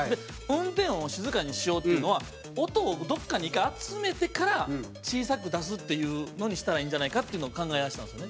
運転音を静かにしようっていうのは音をどこかに１回集めてから小さく出すっていうのにしたらいいんじゃないかっていうのを考え出したんですよね。